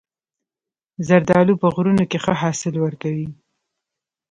زردالو په غرونو کې ښه حاصل ورکوي.